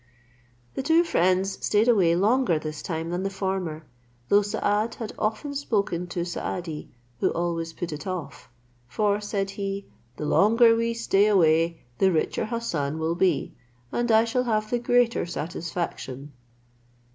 The two friends stayed away longer this time than the former, though Saad had often spoken to Saadi, who always put it off; for, said he, "The longer we stay away, the richer Hassan will be, and I shall have the greater satisfaction."